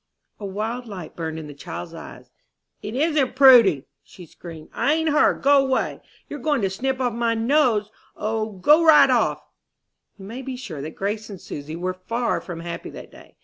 A wild light burned in the child's eyes. "It isn't Prudy!" screamed she, "I ain't her! Go 'way! You're goin' to snip off my nose! O, go right off!" You may be sure that Grace and Susy were far from happy that day.